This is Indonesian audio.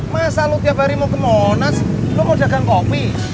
masa lo tiap hari mau ke monas lu mau dagang kopi